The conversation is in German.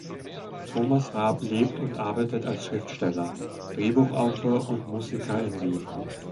Thomas Raab lebt und arbeitet als Schriftsteller, Drehbuchautor und Musiker in Wien.